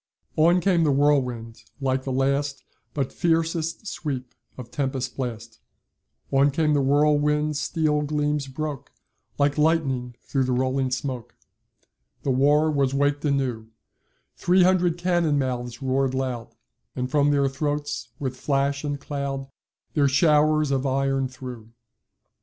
["On came the whirlwind like the last But fiercest sweep of tempest blast On came the whirlwind steel gleams broke Like lightning through the rolling smoke; The war was waked anew, Three hundred cannon mouths roar'd loud, And from their throats, with flash and cloud, Their showers of iron threw.